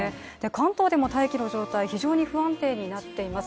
関東でも大気の状態、非常に不安定になっています。